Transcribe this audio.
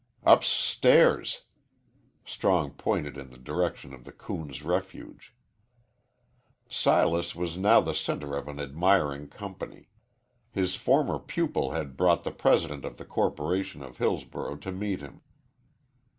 "Up s stairs." Strong pointed in the direction of the coon's refuge. Silas was now the centre of an admiring company. His former pupil had brought the president of the corporation of Hillsborough to meet him.